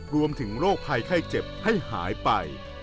รวมถึงโรคภัยไข้เจ็บให้หายไป